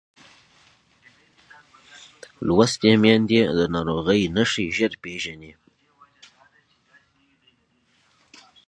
لوستې میندې د ناروغۍ نښې ژر پېژني.